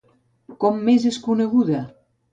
Com més és coneguda?